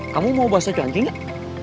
kamu mau bahasa ganti gak